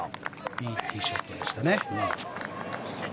いいティーショットでしたね。